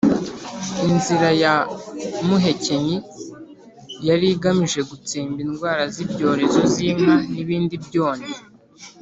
inzira ya muhekenyi: yari igamije gutsemba indwara z’ibyorezo z’inka n’ibindi byonnyi.